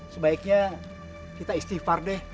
sebaiknya kita istighfar deh